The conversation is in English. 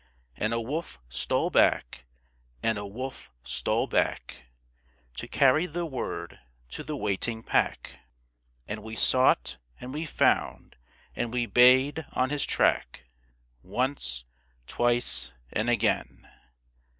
And a wolf stole back, and a wolf stole back To carry the word to the waiting pack, And we sought and we found and we bayed on his track Once, twice and again!